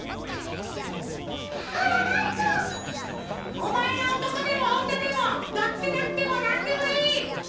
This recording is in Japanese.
おまえがおとこでもおんなでもどっちでなくてもなんでもいい！